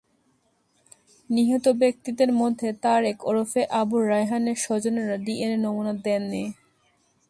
নিহত ব্যক্তিদের মধ্যে তারেক ওরফে আবু রায়হানের স্বজনেরা ডিএনএ নমুনা দেননি।